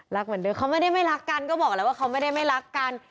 เหมือนเดิมเขาไม่ได้ไม่รักกันก็บอกแล้วว่าเขาไม่ได้ไม่รักกัน